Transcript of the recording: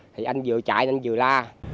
thì anh vừa chạy anh vừa la